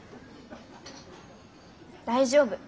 大丈夫。